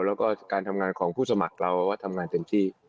แล้วก็การทำงานของผู้สมัครเราก็ทำงานเต็มที่